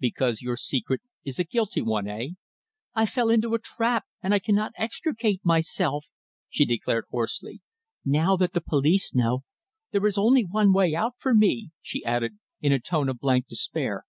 "Because your secret is a guilty one eh?" "I fell into a trap, and I cannot extricate myself," she declared hoarsely. "Now that the police know, there is only one way out for me," she added, in a tone of blank despair.